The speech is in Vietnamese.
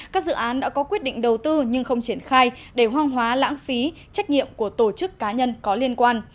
các dự án đã có quyết định đầu tư nhưng không triển khai để hoang hóa lãng phí trách nhiệm của tổ chức cá nhân có liên quan